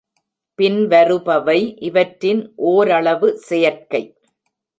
பின்வருபவை இவற்றின் ஓரளவு செயற்கை.